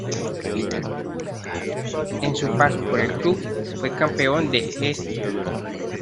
En su paso por el club, fue campeón de St.